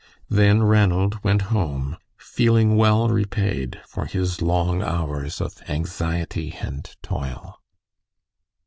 Then Ranald went home, feeling well repaid for his long hours of anxiety and toil.